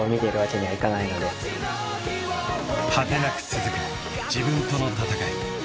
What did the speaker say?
［果てなく続く自分との闘い］